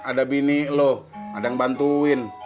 ada bini loh ada yang bantuin